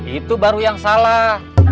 itu baru yang salah